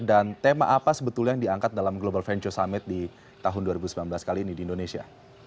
dan tema apa sebetulnya yang diangkat dalam global venture summit di tahun dua ribu sembilan belas kali ini di indonesia